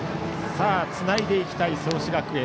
つないでいきたい創志学園。